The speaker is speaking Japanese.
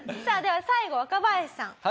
さあでは最後若林さん。